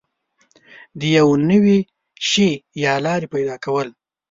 د یو نوي شي یا لارې پیدا کول